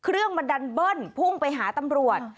เครื่องมันดันเบิ้ลพุ่งไปหาตำรวจ